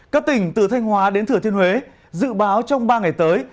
các tỉnh từ thanh hóa đến thừa thiên huế dự báo trong ba ngày tới